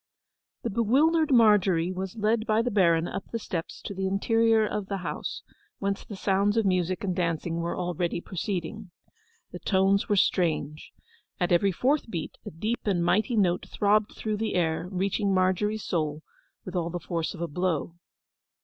The bewildered Margery was led by the Baron up the steps to the interior of the house, whence the sounds of music and dancing were already proceeding. The tones were strange. At every fourth beat a deep and mighty note throbbed through the air, reaching Margery's soul with all the force of a blow.